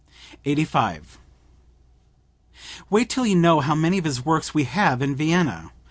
"Wait till you know how many of his works we have in Vienna!